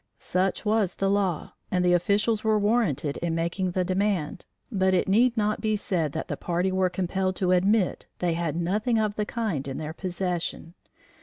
Such was the law and the officials were warranted in making the demand, but it need not be said that the party were compelled to admit they had nothing of the kind in their possession.